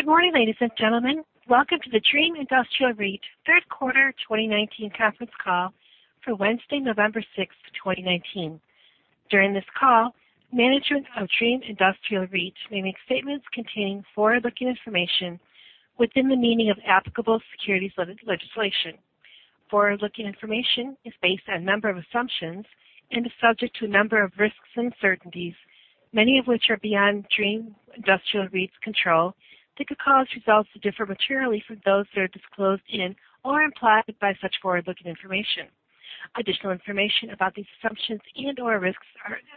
Good morning, ladies and gentlemen. Welcome to the Dream Industrial REIT third quarter 2019 conference call for Wednesday, November 6th, 2019. During this call, management of Dream Industrial REIT may make statements containing forward-looking information within the meaning of applicable securities legislation. Forward-looking information is based on a number of assumptions and is subject to a number of risks and uncertainties, many of which are beyond Dream Industrial REIT's control, that could cause results to differ materially from those that are disclosed in or implied by such forward-looking information. Additional information about these assumptions and/or risks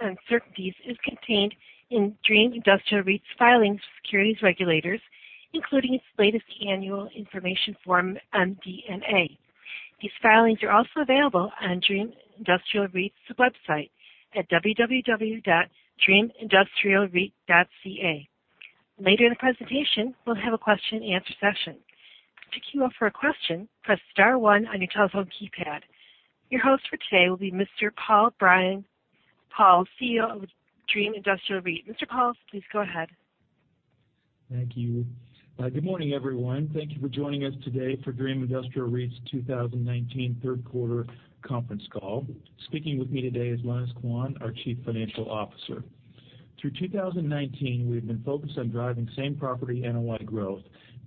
and uncertainties is contained in Dream Industrial REIT's filings with securities regulators, including its latest annual information form MD&A. These filings are also available on Dream Industrial REIT's website at www.dreamindustrialreit.ca. Later in the presentation, we'll have a question and answer session. To queue up for a question, press star one on your telephone keypad. Your host for today will be Mr. Brian Pauls, CEO of Dream Industrial REIT. Mr. Paul, please go ahead. Thank you. Good morning, everyone. Thank you for joining us today for Dream Industrial REIT's 2019 third quarter conference call. Speaking with me today is Lenis Quan, our Chief Financial Officer. Through 2019, we've been focused on driving same property NOI growth,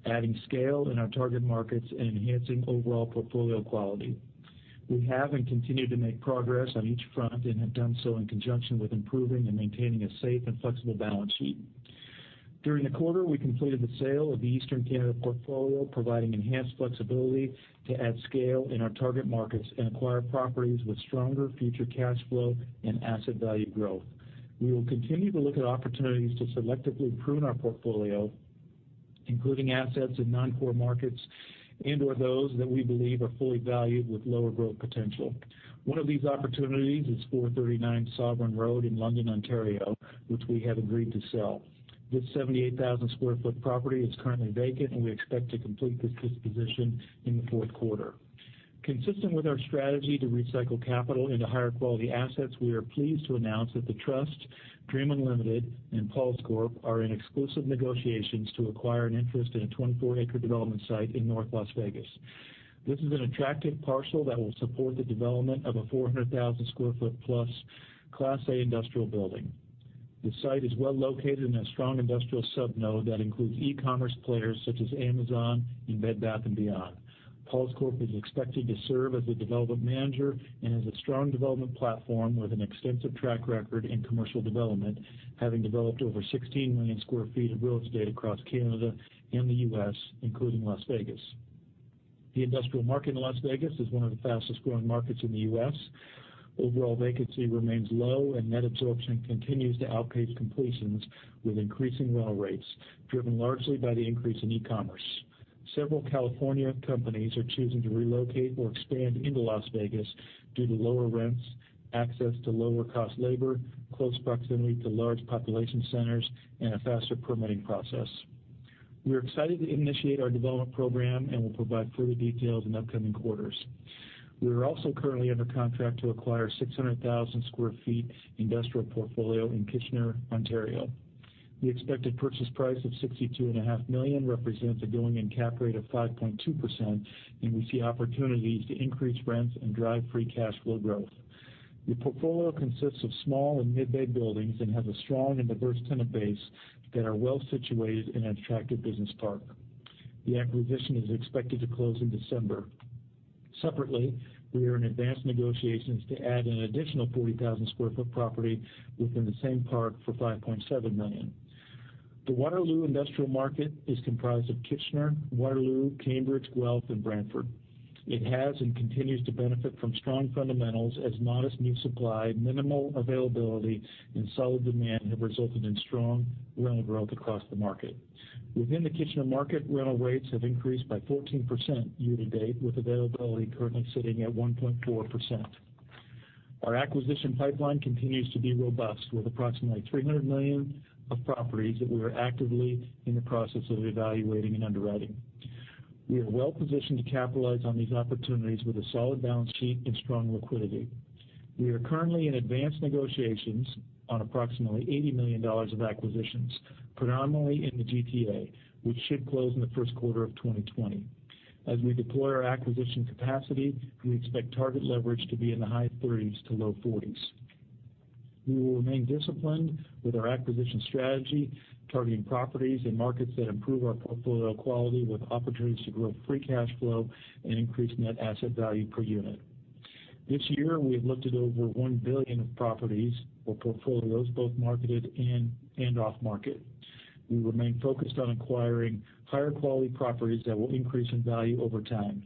adding scale in our target markets, and enhancing overall portfolio quality. We have and continue to make progress on each front and have done so in conjunction with improving and maintaining a safe and flexible balance sheet. During the quarter, we completed the sale of the Eastern Canada portfolio, providing enhanced flexibility to add scale in our target markets and acquire properties with stronger future cash flow and asset value growth. We will continue to look at opportunities to selectively prune our portfolio, including assets in non-core markets and/or those that we believe are fully valued with lower growth potential. One of these opportunities is 439 Sovereign Road in London, Ontario, which we have agreed to sell. This 78,000 square foot property is currently vacant. We expect to complete this disposition in the fourth quarter. Consistent with our strategy to recycle capital into higher quality assets, we are pleased to announce that the trust, Dream Unlimited, and PAULS Corp are in exclusive negotiations to acquire an interest in a 24-acre development site in North Las Vegas. This is an attractive parcel that will support the development of a 400,000+ square foot Class A industrial building. The site is well located in a strong industrial sub-node that includes e-commerce players such as Amazon and Bed Bath & Beyond. PAULS Corp is expected to serve as the development manager and has a strong development platform with an extensive track record in commercial development, having developed over 16 million sq ft of real estate across Canada and the U.S., including Las Vegas. The industrial market in Las Vegas is one of the fastest-growing markets in the U.S. Overall vacancy remains low, and net absorption continues to outpace completions with increasing rental rates, driven largely by the increase in e-commerce. Several California companies are choosing to relocate or expand into Las Vegas due to lower rents, access to lower cost labor, close proximity to large population centers, and a faster permitting process. We are excited to initiate our development program and will provide further details in upcoming quarters. We are also currently under contract to acquire a 600,000 sq ft industrial portfolio in Kitchener, Ontario. The expected purchase price of 62.5 million represents a going-in cap rate of 5.2%, and we see opportunities to increase rents and drive free cash flow growth. The portfolio consists of small and mid-bay buildings and has a strong and diverse tenant base that are well situated in an attractive business park. The acquisition is expected to close in December. Separately, we are in advanced negotiations to add an additional 40,000 sq ft property within the same park for 5.7 million. The Waterloo industrial market is comprised of Kitchener, Waterloo, Cambridge, Guelph, and Brantford. It has and continues to benefit from strong fundamentals as modest new supply, minimal availability, and solid demand have resulted in strong rental growth across the market. Within the Kitchener market, rental rates have increased by 14% year-to-date, with availability currently sitting at 1.4%. Our acquisition pipeline continues to be robust with approximately 300 million of properties that we are actively in the process of evaluating and underwriting. We are well-positioned to capitalize on these opportunities with a solid balance sheet and strong liquidity. We are currently in advanced negotiations on approximately 80 million dollars of acquisitions, predominantly in the GTA, which should close in the first quarter of 2020. As we deploy our acquisition capacity, we expect target leverage to be in the high 30s to low 40s. We will remain disciplined with our acquisition strategy, targeting properties and markets that improve our portfolio quality with opportunities to grow free cash flow and increase net asset value per unit. This year, we have looked at over 1 billion of properties or portfolios, both marketed and off-market. We remain focused on acquiring higher quality properties that will increase in value over time.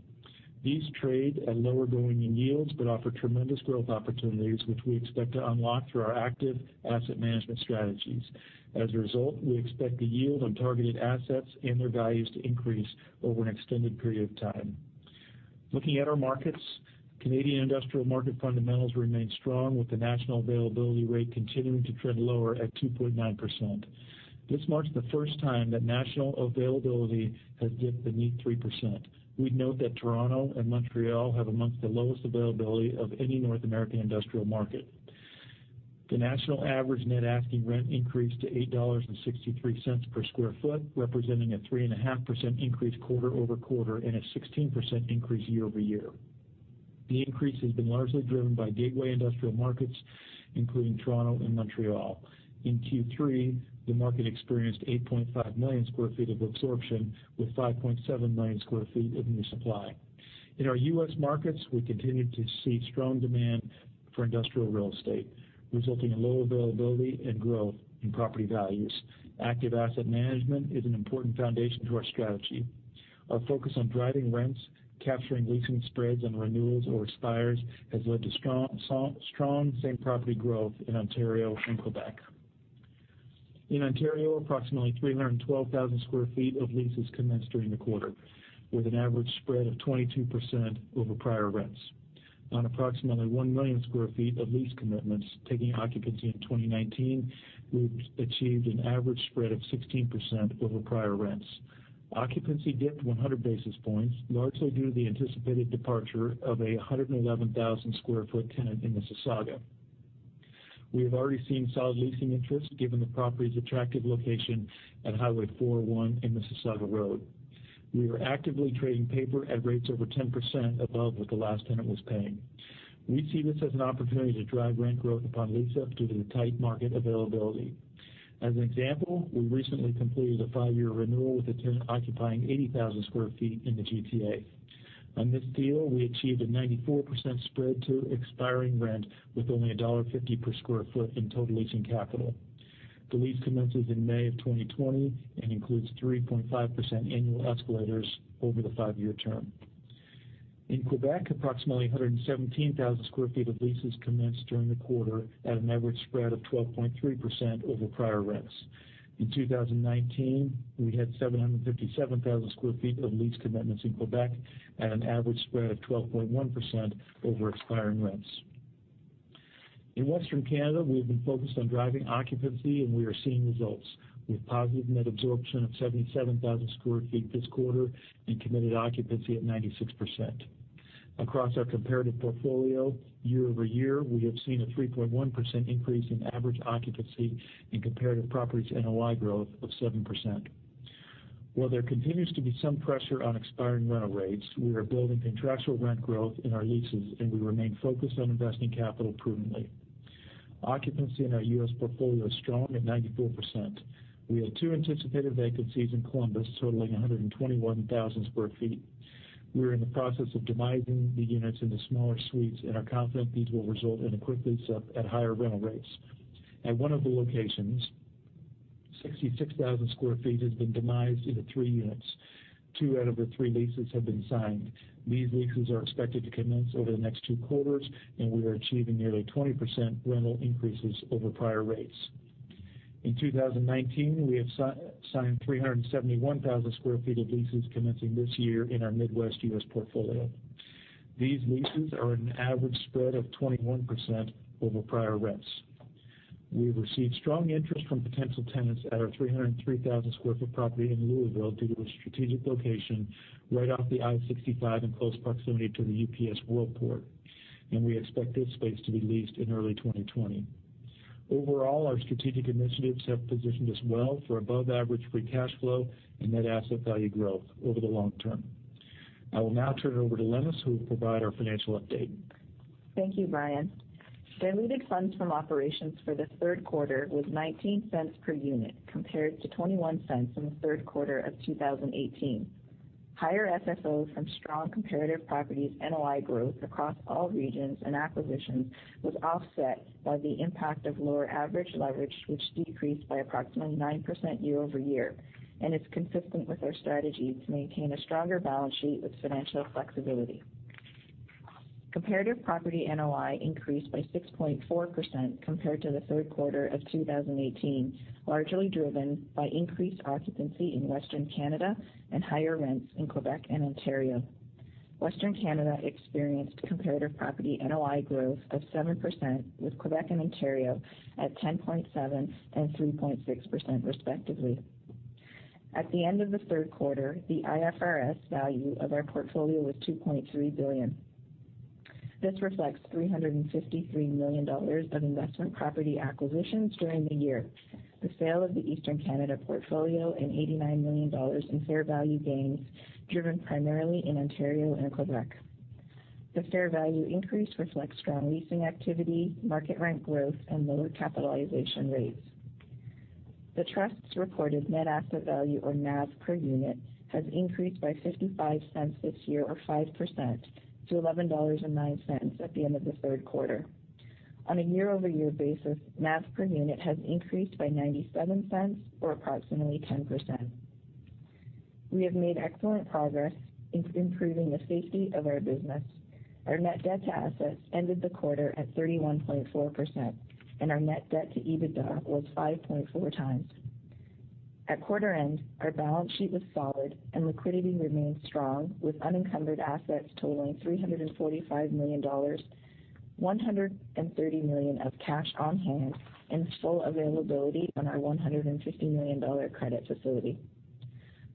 These trade at lower going-in yields but offer tremendous growth opportunities, which we expect to unlock through our active asset management strategies. As a result, we expect the yield on targeted assets and their values to increase over an extended period of time. Looking at our markets, Canadian industrial market fundamentals remain strong with the national availability rate continuing to trend lower at 2.9%. This marks the first time that national availability has dipped beneath 3%. We'd note that Toronto and Montreal have amongst the lowest availability of any North American industrial market. The national average net asking rent increased to 8.63 dollars per sq ft, representing a 3.5% increase quarter-over-quarter and a 16% increase year-over-year. The increase has been largely driven by gateway industrial markets, including Toronto and Montreal. In Q3, the market experienced 8.5 million sq ft of absorption with 5.7 million sq ft of new supply. In our U.S. markets, we continued to see strong demand for industrial real estate, resulting in low availability and growth in property values. Active asset management is an important foundation to our strategy. Our focus on driving rents, capturing leasing spreads on renewals or expires has led to strong same property growth in Ontario and Quebec. In Ontario, approximately 312,000 sq ft of leases commenced during the quarter, with an average spread of 22% over prior rents. On approximately 1 million sq ft of lease commitments taking occupancy in 2019, we've achieved an average spread of 16% over prior rents. Occupancy dipped 100 basis points, largely due to the anticipated departure of a 111,000 sq ft tenant in Mississauga. We have already seen solid leasing interest, given the property's attractive location at Highway 401 in Mississauga Road. We are actively trading paper at rates over 10% above what the last tenant was paying. We see this as an opportunity to drive rent growth upon lease-up due to the tight market availability. As an example, we recently completed a five-year renewal with a tenant occupying 80,000 sq ft in the GTA. On this deal, we achieved a 94% spread to expiring rent with only dollar 1.50 per sq ft in total leasing capital. The lease commences in May of 2020 and includes 3.5% annual escalators over the five-year term. In Quebec, approximately 117,000 sq ft of leases commenced during the quarter at an average spread of 12.3% over prior rents. In 2019, we had 757,000 sq ft of lease commitments in Quebec at an average spread of 12.1% over expiring rents. In Western Canada, we have been focused on driving occupancy, and we are seeing results, with positive net absorption of 77,000 sq ft this quarter and committed occupancy at 96%. Across our comparative portfolio, year-over-year, we have seen a 3.1% increase in average occupancy and comparative properties NOI growth of 7%. While there continues to be some pressure on expiring rental rates, we are building contractual rent growth in our leases, and we remain focused on investing capital prudently. Occupancy in our U.S. portfolio is strong at 94%. We had two anticipated vacancies in Columbus totaling 121,000 sq ft. We are in the process of demising the units into smaller suites and are confident these will result in a quick lease-up at higher rental rates. At one of the locations, 66,000 sq ft has been demised into three units. Two out of the three leases have been signed. These leases are expected to commence over the next two quarters, and we are achieving nearly 20% rental increases over prior rates. In 2019, we have signed 371,000 sq ft of leases commencing this year in our Midwest U.S. portfolio. These leases are at an average spread of 21% over prior rents. We have received strong interest from potential tenants at our 303,000 sq ft property in Louisville due to its strategic location right off the I-65 in close proximity to the UPS Worldport, and we expect this space to be leased in early 2020. Overall, our strategic initiatives have positioned us well for above-average free cash flow and net asset value growth over the long term. I will now turn it over to Lenis, who will provide our financial update. Thank you, Brian. Diluted funds from operations for this third quarter was 0.19 per unit, compared to 0.21 in the third quarter of 2018. Higher FFO from strong comparative properties NOI growth across all regions and acquisitions was offset by the impact of lower average leverage, which decreased by approximately 9% year-over-year and is consistent with our strategy to maintain a stronger balance sheet with financial flexibility. Comparative property NOI increased by 6.4% compared to the third quarter of 2018, largely driven by increased occupancy in Western Canada and higher rents in Quebec and Ontario. Western Canada experienced comparative property NOI growth of 7%, with Quebec and Ontario at 10.7% and 3.6% respectively. At the end of the third quarter, the IFRS value of our portfolio was 2.3 billion. This reflects 353 million dollars of investment property acquisitions during the year, the sale of the Eastern Canada portfolio, and 89 million dollars in fair value gains, driven primarily in Ontario and Quebec. The fair value increase reflects strong leasing activity, market rent growth, and lower capitalization rates. The Trust's reported net asset value or NAV per unit has increased by 0.55 this year or 5%, to 11.09 dollars at the end of the third quarter. On a year-over-year basis, NAV per unit has increased by 0.97 or approximately 10%. We have made excellent progress in improving the safety of our business. Our net debt to assets ended the quarter at 31.4%, and our net debt to EBITDA was 5.4 times. At quarter end, our balance sheet was solid, and liquidity remains strong with unencumbered assets totaling 345 million dollars, 130 million of cash on hand, and full availability on our 150 million dollar credit facility.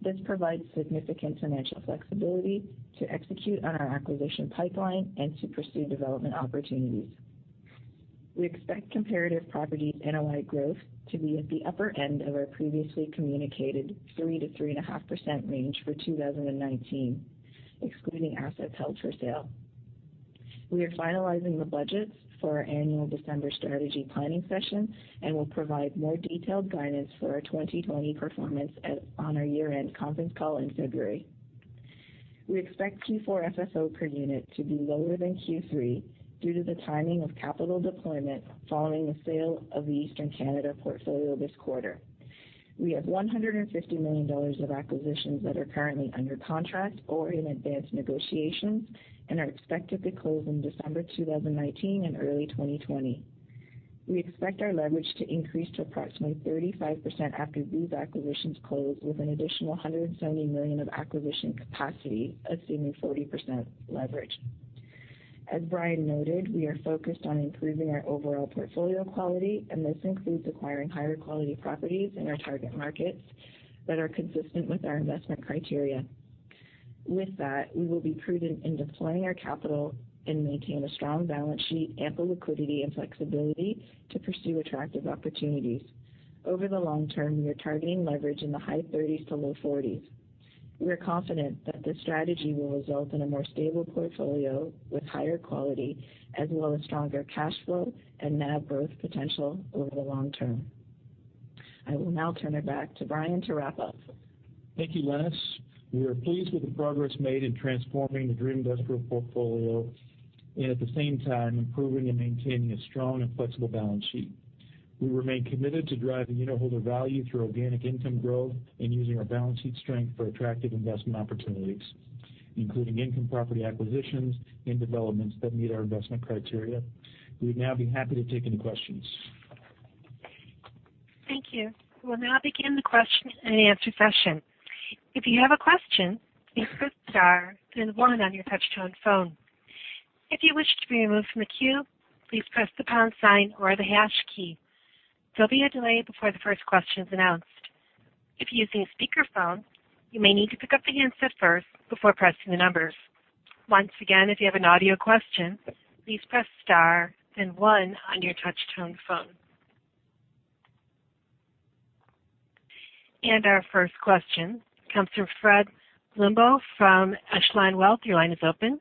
This provides significant financial flexibility to execute on our acquisition pipeline and to pursue development opportunities. We expect comparative properties NOI growth to be at the upper end of our previously communicated 3%-3.5% range for 2019, excluding assets held for sale. We are finalizing the budgets for our annual December strategy planning session and will provide more detailed guidance for our 2020 performance on our year-end conference call in February. We expect Q4 FFO per unit to be lower than Q3 due to the timing of capital deployment following the sale of the Eastern Canada portfolio this quarter. We have 150 million dollars of acquisitions that are currently under contract or in advanced negotiations and are expected to close in December 2019 and early 2020. We expect our leverage to increase to approximately 35% after these acquisitions close, with an additional 170 million of acquisition capacity, assuming 40% leverage. As Brian noted, we are focused on improving our overall portfolio quality, and this includes acquiring higher quality properties in our target markets that are consistent with our investment criteria. With that, we will be prudent in deploying our capital and maintain a strong balance sheet, ample liquidity and flexibility to pursue attractive opportunities. Over the long term, we are targeting leverage in the high 30s to low 40s. We are confident that this strategy will result in a more stable portfolio with higher quality, as well as stronger cash flow and NAV growth potential over the long term. I will now turn it back to Brian to wrap up. Thank you, Lenis. We are pleased with the progress made in transforming the Dream Industrial portfolio and, at the same time, improving and maintaining a strong and flexible balance sheet. We remain committed to driving unitholder value through organic income growth and using our balance sheet strength for attractive investment opportunities, including income property acquisitions and developments that meet our investment criteria. We'd now be happy to take any questions. Thank you. We'll now begin the question and answer session. If you have a question, please press star then one on your touch-tone phone. If you wish to be removed from the queue, please press the pound sign or the hash key. There'll be a delay before the first question is announced. If you're using a speakerphone, you may need to pick up the handset first before pressing the numbers. Once again, if you have an audio question, please press star then one on your touch-tone phone. Our first question comes from Fred Blondeau from Echelon Wealth Partners. Your line is open.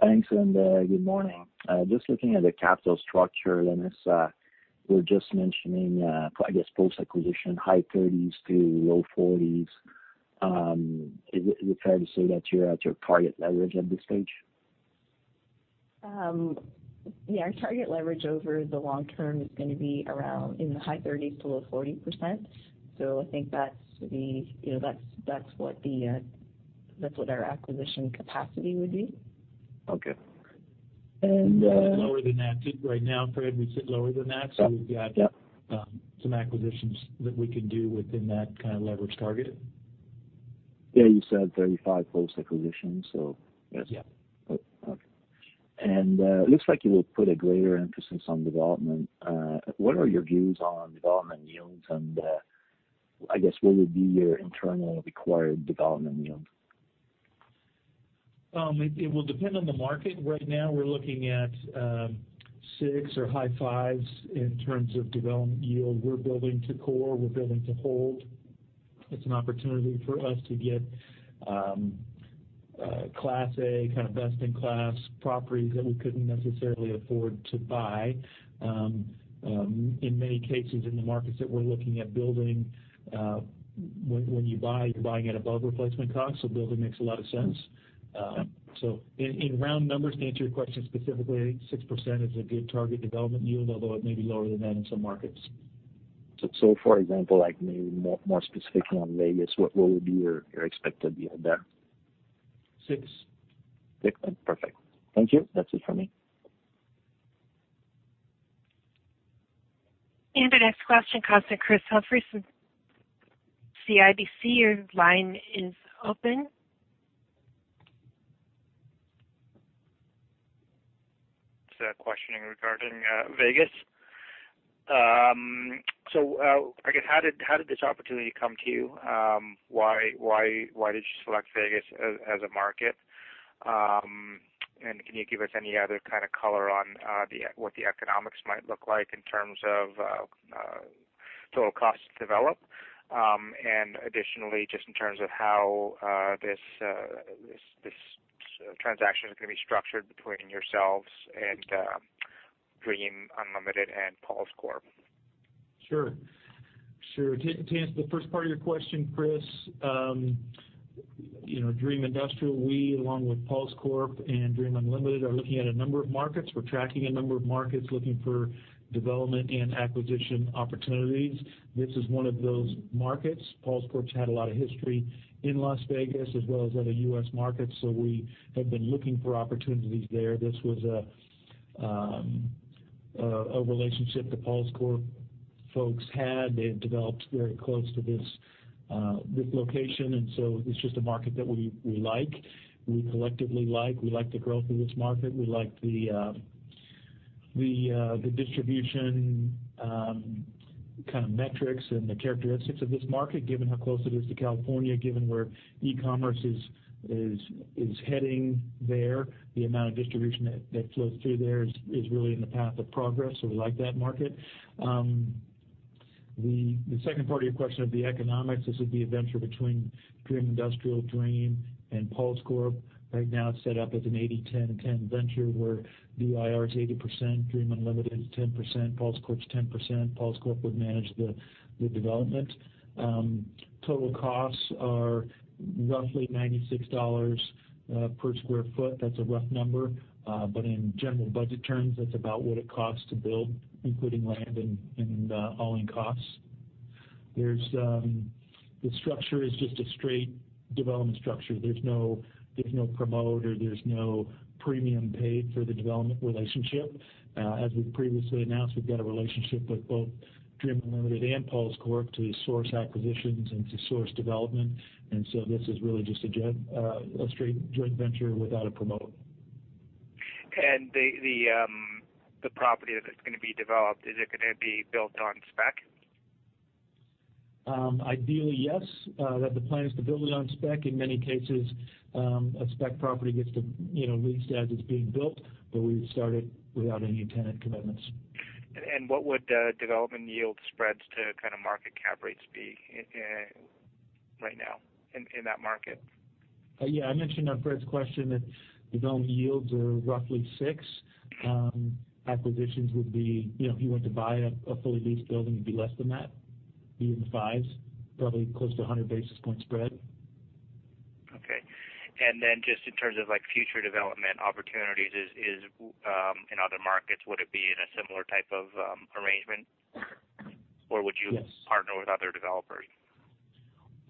Thanks, and good morning. Just looking at the capital structure, Lenis. You were just mentioning, I guess post-acquisition, high 30s to low 40s. Is it fair to say that you're at your target leverage at this stage? Yeah. Our target leverage over the long term is going to be around in the high 30s to low 40%. I think that's what our acquisition capacity would be. Okay. And- We're lower than that. Right now, Fred, we sit lower than that. Yep. We've got some acquisitions that we can do within that kind of leverage target. Yeah, you said 35 post-acquisition, so. Yes. Okay. It looks like you will put a greater emphasis on development. What are your views on development yields, and I guess what would be your internal required development yield? It will depend on the market. Right now, we're looking at 6% or high 5s in terms of development yield. We're building to core. We're building to hold. It's an opportunity for us to get Class A, kind of best in class properties that we couldn't necessarily afford to buy. In many cases, in the markets that we're looking at building, when you buy, you're buying at above replacement cost, so building makes a lot of sense. Yeah. In round numbers, to answer your question specifically, 6% is a good target development yield, although it may be lower than that in some markets. For example, maybe more specifically on Vegas, what would be your expected yield there? Six. Six. Perfect. Thank you. That's it from me. The next question comes from Chris Couprie from CIBC. Your line is open. Just a question regarding Vegas. I guess how did this opportunity come to you? Why did you select Vegas as a market? Can you give us any other kind of color on what the economics might look like in terms of total cost to develop? Additionally, just in terms of how this transaction is going to be structured between yourselves and Dream Unlimited and PAULS Corp. Sure. To answer the first part of your question, Chris. Dream Industrial, we along with PAULS Corp and Dream Unlimited, are looking at a number of markets. We're tracking a number of markets looking for development and acquisition opportunities. This is one of those markets. PAULS Corp's had a lot of history in Las Vegas as well as other U.S. markets, we have been looking for opportunities there. This was a relationship the PAULS Corp folks had. They had developed very close to this location, it's just a market that we like, we collectively like. We like the growth of this market. We like the distribution kind of metrics and the characteristics of this market, given how close it is to California, given where e-commerce is heading there, the amount of distribution that flows through there is really in the path of progress. We like that market. The second part of your question of the economics, this would be a venture between Dream Industrial, Dream, and PAULS Corp. Right now, it's set up as an 80/10/10 venture where DIR is 80%, Dream Unlimited is 10%, PAULS Corp is 10%. PAULS Corp would manage the development. Total costs are roughly 96 dollars per square foot. That's a rough number. In general budget terms, that's about what it costs to build, including land and all-in costs. The structure is just a straight development structure. There's no promoter, there's no premium paid for the development relationship. As we previously announced, we've got a relationship with both Dream Unlimited and PAULS Corp to source acquisitions and to source development. This is really just a straight joint venture without a promoter. The property that's going to be developed, is it going to be built on spec? Ideally, yes. The plan is to build it on spec. In many cases, a spec property gets the leads as it's being built, but we've started without any tenant commitments. What would the development yield spreads to kind of market cap rates be right now in that market? Yeah. I mentioned on Fred's question that development yields are roughly six. Acquisitions would be, if you want to buy a fully leased building, it'd be less than that, be in the fives, probably close to 100 basis point spread. Okay. Just in terms of future development opportunities in other markets, would it be in a similar type of arrangement? Yes. Would you partner with other developers?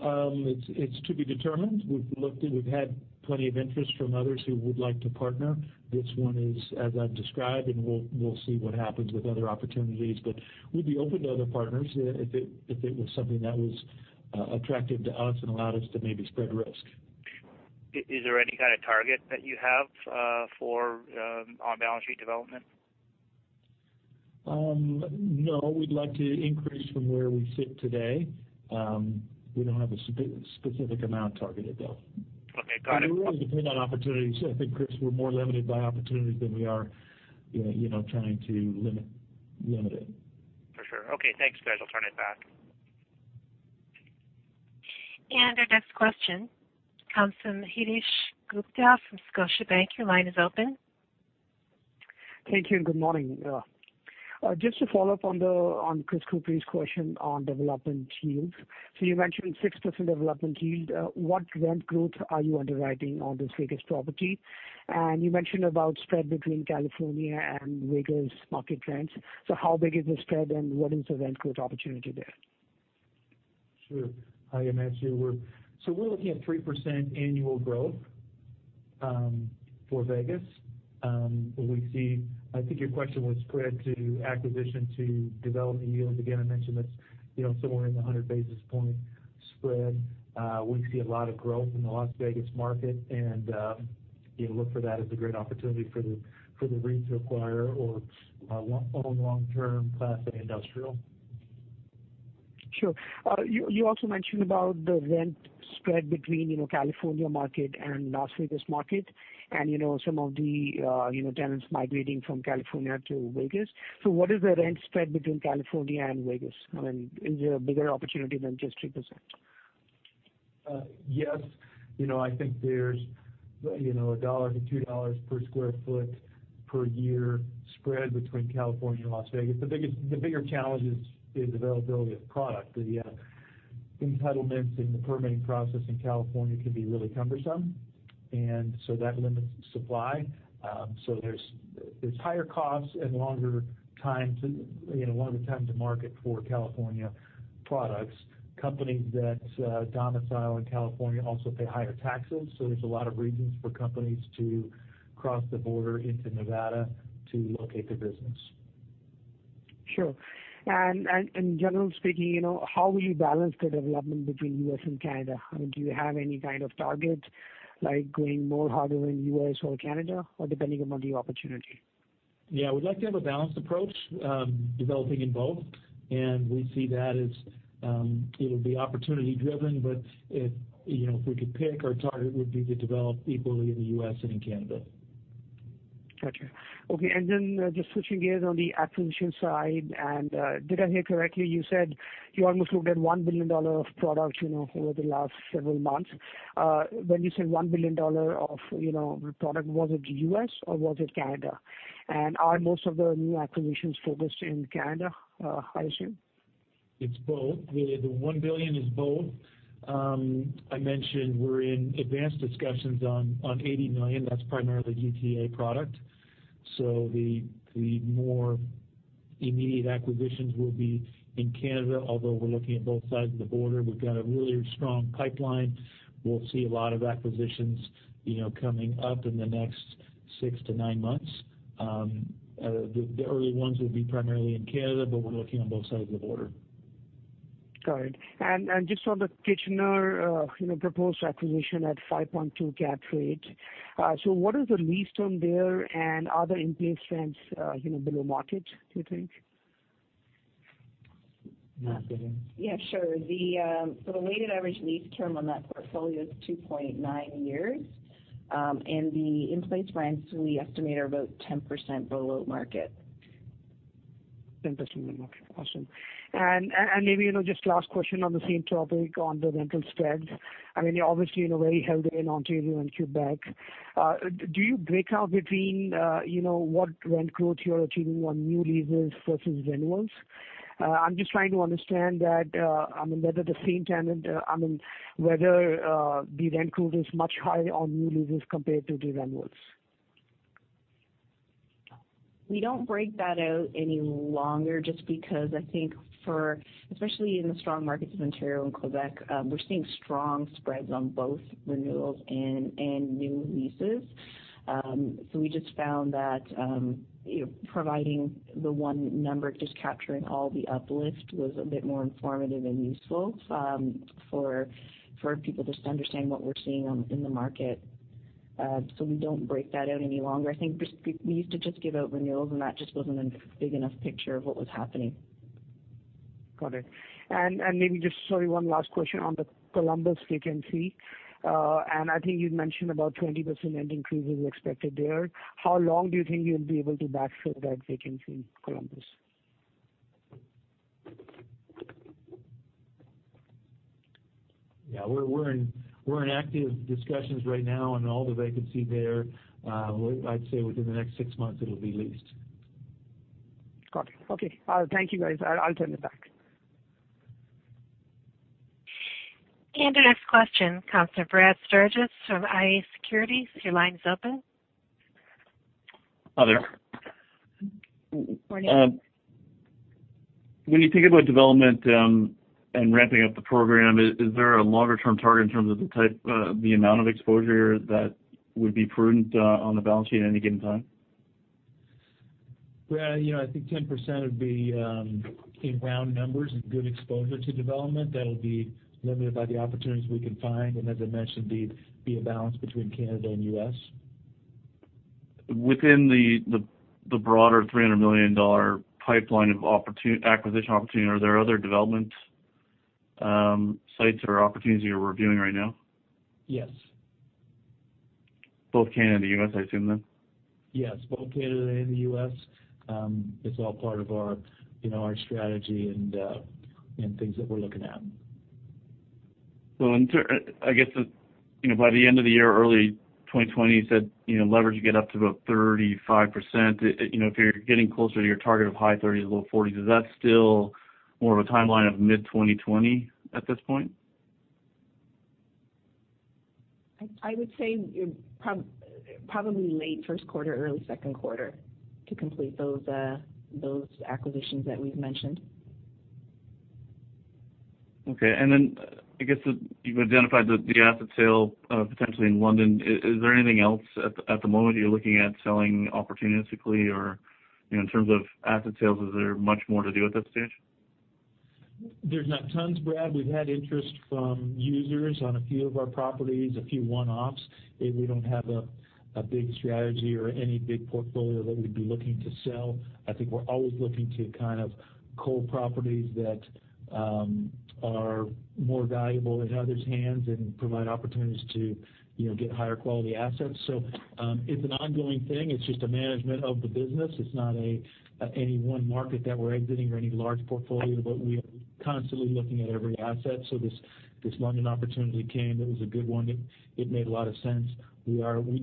It's to be determined. We've looked and we've had plenty of interest from others who would like to partner. This one is as I've described, and we'll see what happens with other opportunities, but we'd be open to other partners if it was something that was attractive to us and allowed us to maybe spread risk. Is there any kind of target that you have for on-balance sheet development? No. We'd like to increase from where we sit today. We don't have a specific amount targeted, though. Okay. Got it. It really depends on opportunities. I think, Chris, we're more limited by opportunities than we are trying to limit it. For sure. Okay, thanks, guys. I'll turn it back. Our next question comes from Himanshu Gupta from Scotiabank. Your line is open. Thank you, and good morning. Just to follow up on Chris Couprie's question on development yields. You mentioned 6% development yield. What rent growth are you underwriting on this Vegas property? You mentioned about spread between California and Vegas market rents. How big is the spread, and what is the rent growth opportunity there? Sure. Hi, Himanshu. We're looking at 3% annual growth for Vegas. I think your question was spread to acquisition to development yields. Again, I mentioned that's somewhere in the 100 basis point spread. We see a lot of growth in the Las Vegas market, and look for that as a great opportunity for the REIT to acquire or own long-term Class A industrial. Sure. You also mentioned about the rent spread between California market and Las Vegas market, and some of the tenants migrating from California to Vegas. What is the rent spread between California and Vegas? I mean, is there a bigger opportunity than just 3%? Yes. I think there's a 1-2 dollars per square foot per year spread between California and Las Vegas. The bigger challenge is availability of product. The entitlements and the permitting process in California can be really cumbersome, that limits supply. There's higher costs and longer time to market for California products. Companies that domicile in California also pay higher taxes, there's a lot of reasons for companies to cross the border into Nevada to locate their business. Sure. Generally speaking, how will you balance the development between U.S. and Canada? I mean, do you have any kind of target, like going more harder in U.S. or Canada, or depending upon the opportunity? Yeah. We'd like to have a balanced approach, developing in both. We see that as it'll be opportunity driven, but if we could pick, our target would be to develop equally in the U.S. and in Canada. Got you. Okay, just switching gears on the acquisition side, did I hear correctly, you said you almost looked at 1 billion dollar of product over the last several months? When you say 1 billion dollar of product, was it U.S. or was it Canada? Are most of the new acquisitions focused in Canada, I assume? It's both. The 1 billion is both. I mentioned we're in advanced discussions on 80 million. That's primarily GTA product. The more immediate acquisitions will be in Canada, although we're looking at both sides of the border. We've got a really strong pipeline. We'll see a lot of acquisitions coming up in the next six to nine months. The early ones will be primarily in Canada, we're looking on both sides of the border. Got it. Just on the Kitchener proposed acquisition at 5.2 cap rate. What is the lease term there and are the in-place rents below market, do you think? Yeah, sure. The weighted average lease term on that portfolio is 2.9 years. The in-place rents we estimate are about 10% below market. 10% below market. Awesome. Maybe just last question on the same topic, on the rental spreads. You're obviously very held in Ontario and Quebec. Do you break out between what rent growth you're achieving on new leases versus renewals? I'm just trying to understand that, whether the rent growth is much higher on new leases compared to the renewals. We don't break that out any longer just because I think for, especially in the strong markets of Ontario and Quebec, we're seeing strong spreads on both renewals and new leases. We just found that providing the one number, just capturing all the uplift was a bit more informative and useful for people just to understand what we're seeing in the market. We don't break that out any longer. I think we used to just give out renewals, that just wasn't a big enough picture of what was happening. Got it. Maybe just sorry, one last question on the Columbus vacancy. I think you'd mentioned about 20% rent increase is expected there. How long do you think you'll be able to backfill that vacancy in Columbus? Yeah, we're in active discussions right now on all the vacancy there. I'd say within the next six months it'll be leased. Got it. Okay. Thank you guys. I'll turn it back. Our next question comes from Brad Sturges from IA Securities. Your line's open. Hi there. Morning. When you think about development and ramping up the program, is there a longer-term target in terms of the type of the amount of exposure that would be prudent on the balance sheet at any given time? Well, I think 10% would be, in round numbers, a good exposure to development that'll be limited by the opportunities we can find, and as I mentioned, be a balance between Canada and U.S. Within the broader 300 million dollar pipeline of acquisition opportunity, are there other development sites or opportunities you're reviewing right now? Yes. Both Canada and the U.S., I assume, then? Yes, both Canada and the U.S. It's all part of our strategy and things that we're looking at. I guess by the end of the year, early 2020, you said leverage would get up to about 35%. If you're getting closer to your target of high 30s, low 40s, is that still more of a timeline of mid-2020 at this point? I would say probably late first quarter, early second quarter to complete those acquisitions that we've mentioned. Okay. I guess you've identified the asset sale potentially in London. Is there anything else at the moment you're looking at selling opportunistically or in terms of asset sales, is there much more to do at this stage? There's not tons, Brad. We've had interest from users on a few of our properties, a few one-offs, and we don't have a big strategy or any big portfolio that we'd be looking to sell. I think we're always looking to kind of cull properties that are more valuable in others' hands and provide opportunities to get higher quality assets. It's an ongoing thing. It's just a management of the business. It's not any one market that we're exiting or any large portfolio, but we are constantly looking at every asset. This London opportunity came, that was a good one. It made a lot of sense. We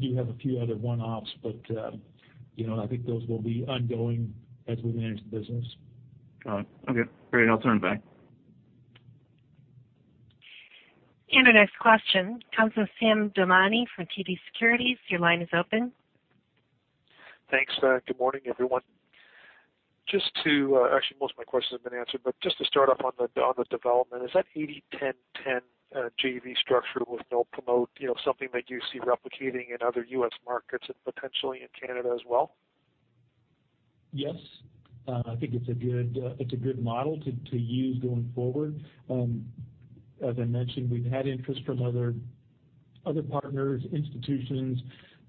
do have a few other one-offs, but I think those will be ongoing as we manage the business. Got it. Okay, great. I'll turn it back. Our next question comes from Sam Damiani from TD Securities. Your line is open. Thanks. Good morning, everyone. Actually, most of my questions have been answered. Just to start off on the development, is that 80-10-10 JV structure with no promote something that you see replicating in other U.S. markets and potentially in Canada as well? Yes. I think it's a good model to use going forward. As I mentioned, we've had interest from other partners, institutions,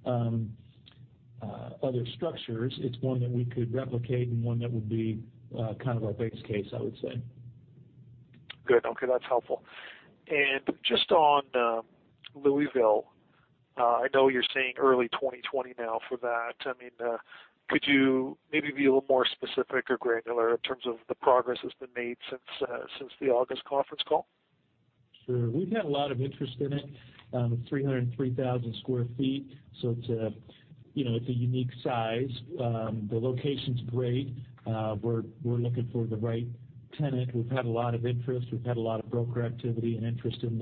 other structures. It's one that we could replicate and one that would be kind of our base case, I would say. Good. Okay, that's helpful. Just on Louisville, I know you're saying early 2020 now for that. Could you maybe be a little more specific or granular in terms of the progress that's been made since the August conference call? Sure. We've had a lot of interest in it. 303,000 sq ft, so it's a unique size. The location's great. We're looking for the right tenant. We've had a lot of interest. We've had a lot of broker activity and interest in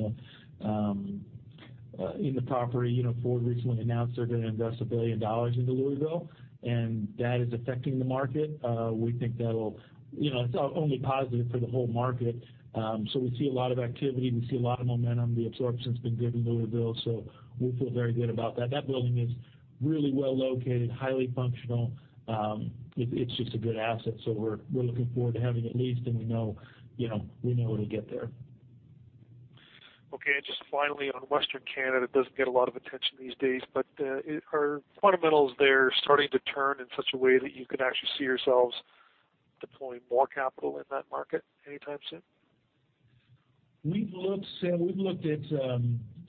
the property. Ford recently announced they're going to invest $1 billion into Louisville. That is affecting the market. It's only positive for the whole market. We see a lot of activity. We see a lot of momentum. The absorption's been good in Louisville. We feel very good about that. That building is really well located, highly functional. It's just a good asset. We're looking forward to having it leased and we know it'll get there. Okay. Just finally, on Western Canada, it doesn't get a lot of attention these days, are fundamentals there starting to turn in such a way that you could actually see yourselves deploying more capital in that market anytime soon? We've looked, Sam. We've looked at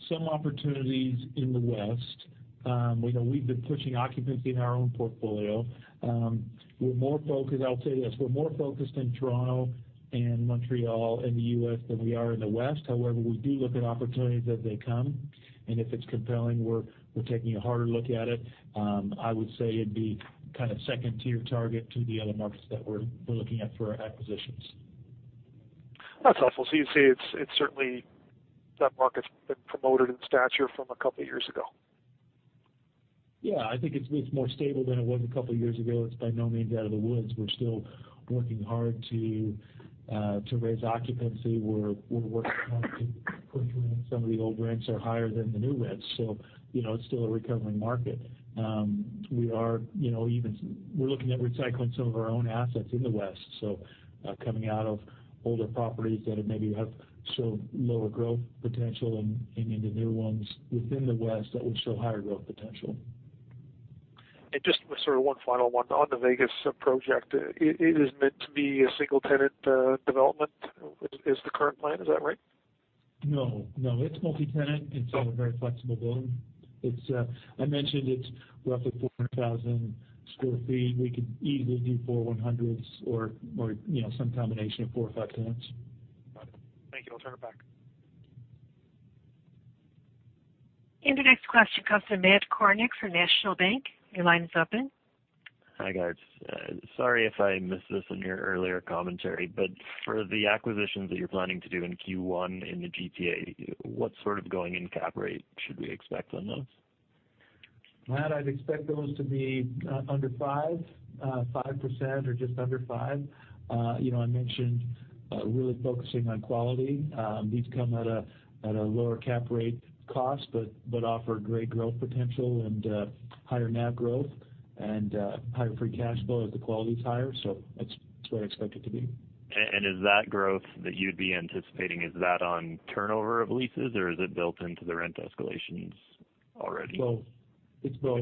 some opportunities in the West. We've been pushing occupancy in our own portfolio. I'll tell you this, we're more focused on Toronto and Montreal in the U.S. than we are in the West. We do look at opportunities as they come, and if it's compelling, we're taking a harder look at it. I would say it'd be kind of 2nd-tier target to the other markets that we're looking at for our acquisitions. That's helpful. You'd say it's certainly that market's been promoted in stature from a couple of years ago? Yeah, I think it's more stable than it was a couple of years ago. It's by no means out of the woods. We're still working hard to raise occupancy. We're working hard to push rents. Some of the old rents are higher than the new rents. It's still a recovering market. We're looking at recycling some of our own assets in the West, coming out of older properties that maybe have slower growth potential and into new ones within the West that would show higher growth potential. Just sort of one final one. On the Vegas project, it is meant to be a single-tenant development. Is the current plan, is that right? No. It's multi-tenant. It's in a very flexible building. I mentioned it's roughly 400,000 sq ft. We could easily do four 100s or some combination of four or five tenants. Got it. Thank you. I'll turn it back. The next question comes from Matt Kornack from National Bank. Your line is open. Hi, guys. Sorry if I missed this in your earlier commentary, for the acquisitions that you're planning to do in Q1 in the GTA, what sort of going-in cap rate should we expect on those? Matt, I'd expect those to be under 5%, or just under 5. I mentioned really focusing on quality. These come at a lower cap rate cost but offer great growth potential and higher NAV growth and higher free cash flow as the quality's higher. That's what I expect it to be. Is that growth that you'd be anticipating, is that on turnover of leases or is it built into the rent escalations already? Both. It's both.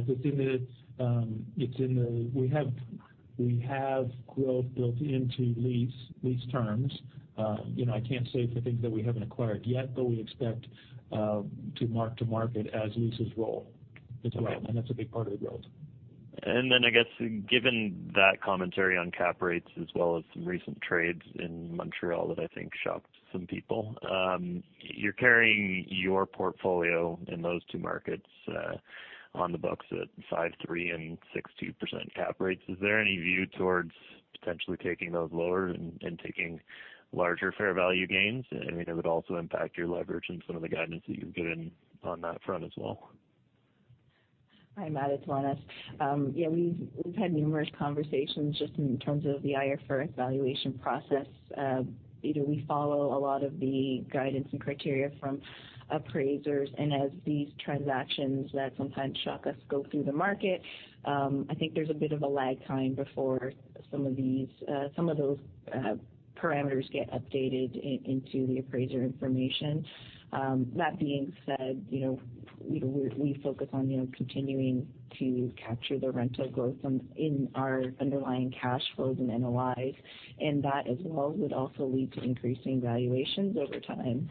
We have growth built into lease terms. I can't say for things that we haven't acquired yet, but we expect to mark to market as leases roll as well, and that's a big part of the growth. I guess, given that commentary on cap rates as well as some recent trades in Montreal that I think shocked some people. You're carrying your portfolio in those two markets on the books at 5.3% and 6.2% cap rates. Is there any view towards potentially taking those lower and taking larger fair value gains? It would also impact your leverage and some of the guidance that you've given on that front as well. Hi, Matt. It's Lenis. Yeah, we've had numerous conversations just in terms of the IFRS valuation process. We follow a lot of the guidance and criteria from appraisers. As these transactions that sometimes shock us go through the market, I think there's a bit of a lag time before some of those parameters get updated into the appraiser information. That being said, we focus on continuing to capture the rental growth in our underlying cash flows and NOIs, and that as well would also lead to increasing valuations over time.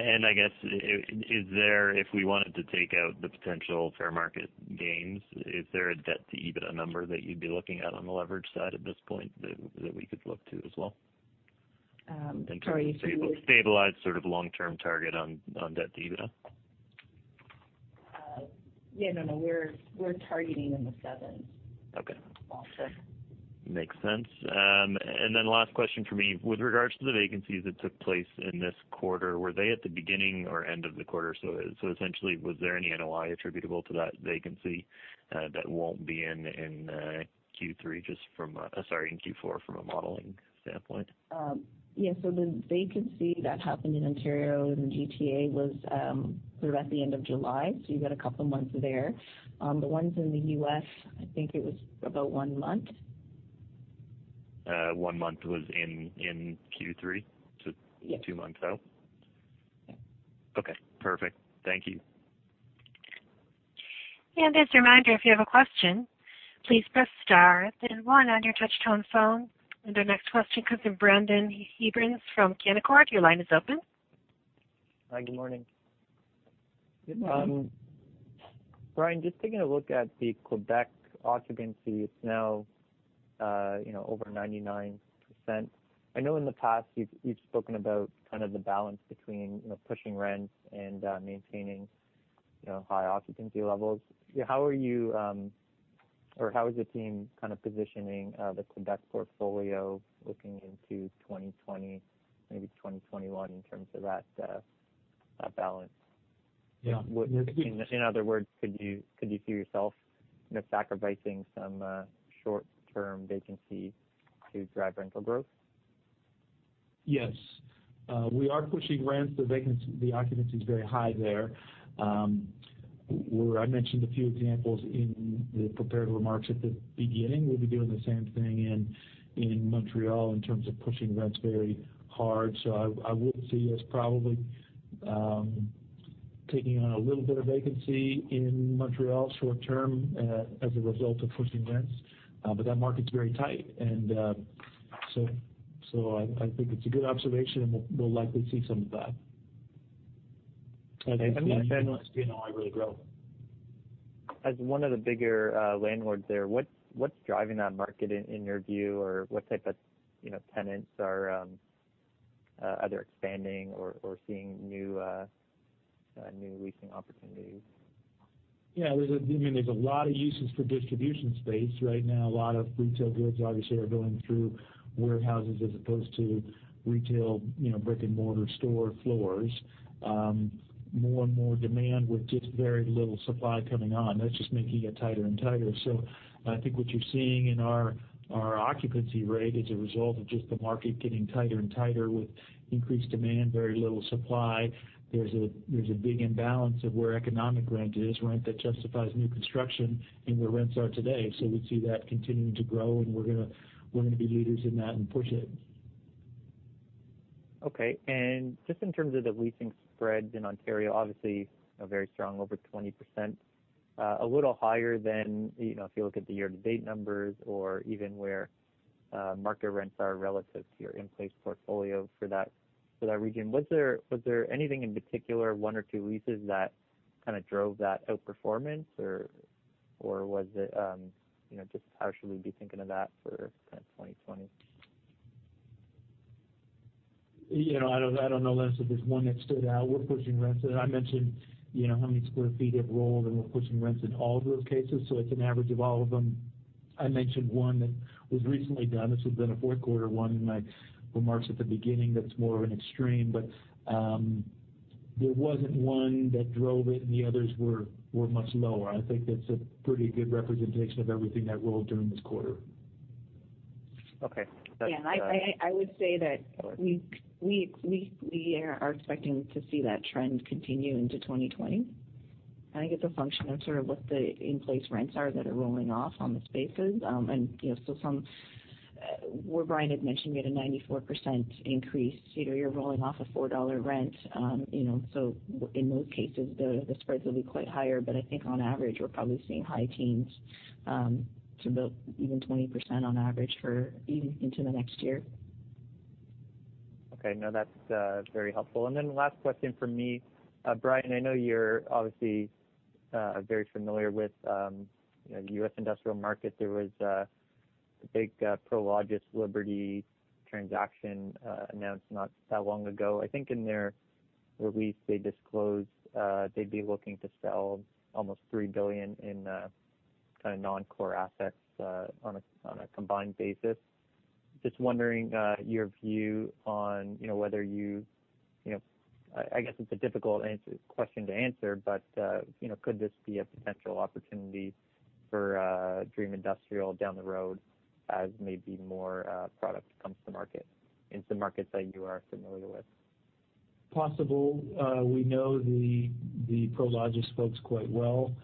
Sure. I guess, if we wanted to take out the potential fair market gains, is there a debt-to-EBITDA number that you'd be looking at on the leverage side at this point that we could look to as well? Sorry. Stabilized sort of long-term target on debt-to-EBITDA. Yeah. No, we're targeting in the sevens. Okay. Long term. Makes sense. Last question from me. With regards to the vacancies that took place in this quarter, were they at the beginning or end of the quarter? Essentially, was there any NOI attributable to that vacancy that won't be in Q3, in Q4 from a modeling standpoint? Yeah. The vacancy that happened in Ontario in the GTA was sort of at the end of July. You got a couple of months there. The ones in the U.S., I think it was about one month. One month was in Q3? Yeah. Two months out? Yeah. Okay, perfect. Thank you. As a reminder, if you have a question, please press star then one on your touchtone phone. Our next question comes from Brendon Abrams from Canaccord. Your line is open. Hi, good morning. Good morning. Brian, just taking a look at the Quebec occupancy, it's now over 99%. I know in the past you've spoken about kind of the balance between pushing rents and maintaining high occupancy levels. How is the team kind of positioning the Quebec portfolio looking into 2020, maybe 2021 in terms of that balance? Yeah. In other words, could you see yourself sacrificing some short-term vacancy to drive rental growth? Yes. We are pushing rents. The occupancy is very high there. Where I mentioned a few examples in the prepared remarks at the beginning, we'll be doing the same thing in Montreal in terms of pushing rents very hard. I would see us probably taking on a little bit of vacancy in Montreal short term as a result of pushing rents. That market's very tight, and so I think it's a good observation, and we'll likely see some of that. As one of the bigger landlords there, what's driving that market, in your view? What type of tenants are either expanding or seeing new leasing opportunities? Yeah. There's a lot of uses for distribution space right now. A lot of retail goods, obviously, are going through warehouses as opposed to retail brick and mortar store floors. More and more demand with just very little supply coming on. That's just making it tighter and tighter. I think what you're seeing in our occupancy rate is a result of just the market getting tighter and tighter with increased demand, very little supply. There's a big imbalance of where economic rent is, rent that justifies new construction, and where rents are today. We see that continuing to grow, and we're going to be leaders in that and push it. Okay. Just in terms of the leasing spreads in Ontario, obviously, very strong, over 20%. A little higher than if you look at the year-to-date numbers or even where market rents are relative to your in-place portfolio for that region. Was there anything in particular, one or two leases, that kind of drove that outperformance? Or how should we be thinking of that for 2020? I don't know, Lenis, if there's one that stood out. We're pushing rents. I mentioned how many sq ft have rolled, and we're pushing rents in all of those cases, so it's an average of all of them. I mentioned one that was recently done. This has been a fourth quarter one in my remarks at the beginning. That's more of an extreme, there wasn't one that drove it, and the others were much lower. I think that's a pretty good representation of everything that rolled during this quarter. Okay. Yeah. I would say that we are expecting to see that trend continue into 2020. I think it's a function of sort of what the in-place rents are that are rolling off on the spaces. Some where Brian had mentioned, we had a 94% increase. You're rolling off a 4 dollar rent. In those cases, the spreads will be quite higher, but I think on average, we're probably seeing high teens to even 20% on average into the next year. Okay. No, that's very helpful. Last question from me. Brian, I know you're obviously very familiar with the U.S. industrial market. There was a big Prologis Liberty transaction announced not that long ago. I think in their release, they disclosed they'd be looking to sell almost 3 billion in non-core assets on a combined basis. Just wondering your view on I guess it's a difficult question to answer, but could this be a potential opportunity for Dream Industrial down the road as maybe more product comes to market in some markets that you are familiar with? Possible. We know the Prologis folks quite well.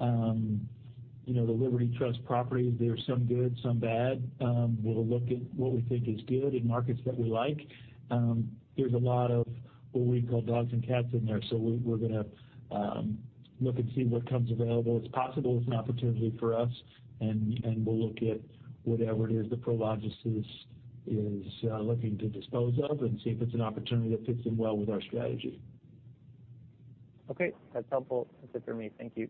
The Liberty Property Trust properties, there's some good, some bad. We'll look at what we think is good in markets that we like. There's a lot of what we call dogs and cats in there. We're going to look and see what comes available. It's possible it's an opportunity for us, and we'll look at whatever it is that Prologis is looking to dispose of and see if it's an opportunity that fits in well with our strategy. Okay. That's helpful. That's it for me. Thank you.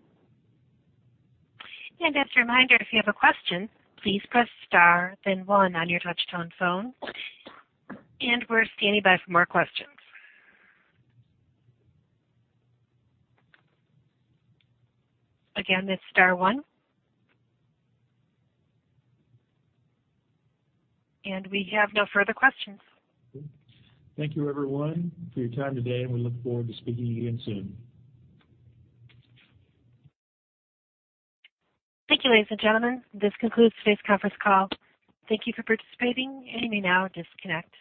As a reminder, if you have a question, please press star then one on your touch-tone phone. We're standing by for more questions. Again, that's star one. We have no further questions. Thank you, everyone, for your time today, and we look forward to speaking to you again soon. Thank you, ladies and gentlemen. This concludes today's conference call. Thank you for participating. You may now disconnect.